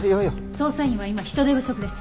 捜査員は今人手不足です。